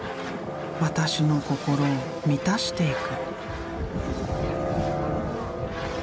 私の心を満たしていく。